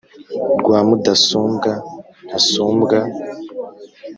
Rwa Mudasumbwa ntasumbwa